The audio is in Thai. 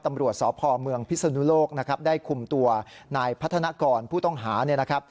ตำรวจสพพิศนุโลกได้คุมตัวนายพัฒนากรผู้ต้องหา